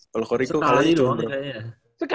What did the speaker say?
kalau eko riko kalahnya dua